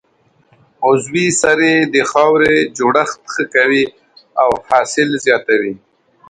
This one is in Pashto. عضوي سرې د خاورې جوړښت ښه کوي او حاصل زیاتوي.